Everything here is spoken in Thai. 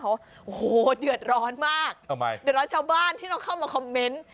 โอ้โหเดือดร้อนมากทำไมเดือดร้อนชาวบ้านที่ต้องเข้ามาคอมเมนต์